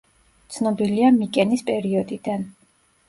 ცნობილია მიკენის პერიოდიდან.